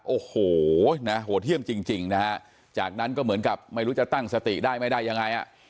โอ้โหนะโหดเยี่ยมจริงนะฮะจากนั้นก็เหมือนกับไม่รู้จะตั้งสติได้ไม่ได้ยังไงอ่ะ